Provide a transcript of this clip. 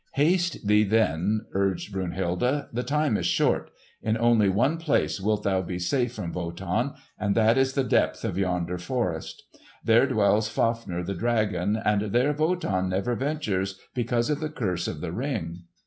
"Haste thee, then!" urged Brunhilde. "The time is short. In only one place wilt thou be safe from Wotan, and that is the depth of yonder forest. There dwells Fafner the dragon, and there Wotan never ventures because of the curse of the Ring."